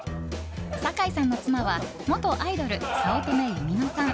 坂井さんの妻は元アイドル、早乙女ゆみのさん。